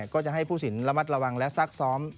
ก็จะให้ผู้สินระมัดระวังและซักซ้อม